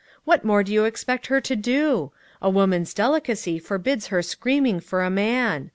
What more do you expect her to do? A woman's delicacy forbids her screaming for a man!